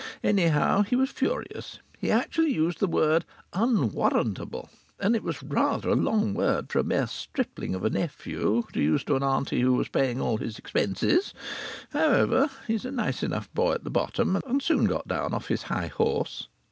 Anyhow, he was furious. He actually used the word "unwarrantable," and it was rather a long word for a mere stripling of a nephew to use to an auntie who was paying all his expenses. However, he's a nice enough boy at the bottom, and soon got down off his high horse.